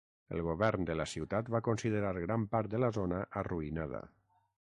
El govern de la ciutat va considerar gran part de la zona arruïnada.